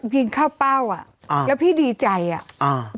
ยิงเข้าเป้าอ่ะอ่าแล้วพี่ดีใจอ่ะอ่า